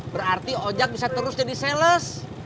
berarti ojek bisa terus jadi sales